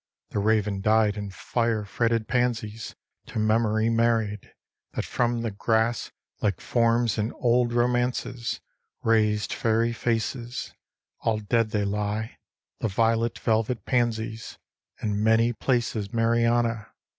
The raven dyed and fire fretted pansies, To memory married; That from the grass, like forms in old romances, Raised fairy faces: All dead they lie, the violet velvet pansies, In many places, Mariana!